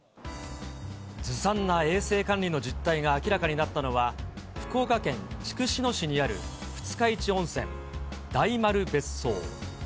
ずさんな衛生管理の実態が明らかになったのは、福岡県筑紫野市にある二日市温泉、大丸別荘。